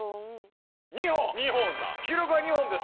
２本記録は２本です。